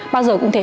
bao giờ cũng thế